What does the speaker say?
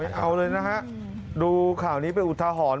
เอาเลยนะฮะดูข่าวนี้เป็นอุทาหรณ์